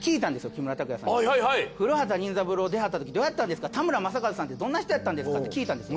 木村拓哉さんに『古畑任三郎』出はったときどうやったんですか田村正和さんってどんな人やったんですかって聞いたんです